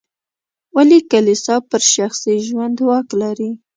ولې کلیسا پر شخصي ژوند واک لري.